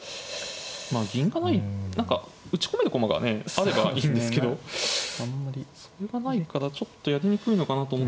まあ銀がない何か打ち込める駒がねあればいいんですけどそれがないからちょっとやりにくいのかなと。